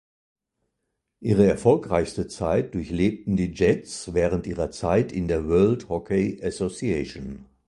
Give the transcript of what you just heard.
Ihre erfolgreichste Zeit durchlebten die Jets während ihrer Zeit in der World Hockey Association.